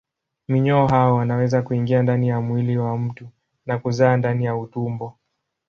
Minyoo hao wanaweza kuingia ndani ya mwili wa mtu na kuzaa ndani ya utumbo.